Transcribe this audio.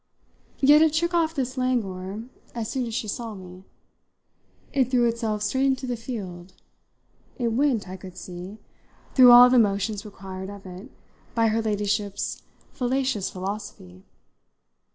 Yet it shook off this languor as soon as she saw me; it threw itself straight into the field; it went, I could see, through all the motions required of it by her ladyship's fallacious philosophy.